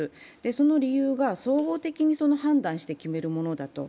その理由が総合的に判断して決めるものだと。